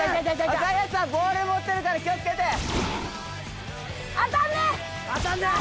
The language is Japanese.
赤い奴はボール持ってるから気をつけて当たんねえ当たんねえ？